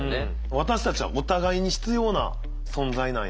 私たちはお互いに必要な存在なんやっていう。